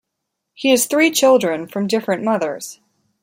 He has three children from different mothers.